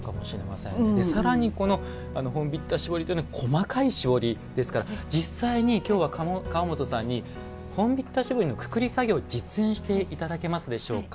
さらに本疋田絞りというのは細かい絞りですから実際に今日は川本さんに本疋田絞りのくくり作業を実演していただけますでしょうか。